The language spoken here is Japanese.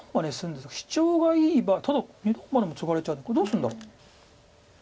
シチョウがいい場合ただ二段バネもツガれちゃうんでどうするんだろう。